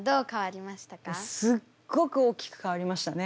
すっごく大きく変わりましたね。